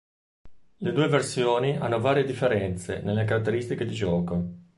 Le due versioni hanno varie differenze nelle caratteristiche di gioco.